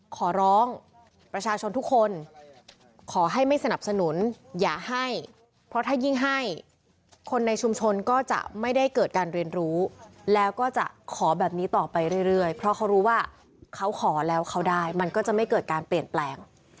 ขอร้องประชาชนทุกคนขอให้ไม่สนับสนุนอย่าให้เพราะถ้ายิ่งให้คนในชุมชนก็จะไม่ได้เกิดการเรียนรู้แล้วก็จะขอแบบนี้ต่อไปเรื่อยเพราะเขารู้ว่าเขาขอแล้วเขาได้มันก็จะไม่เกิดการเปลี่ยนแปลง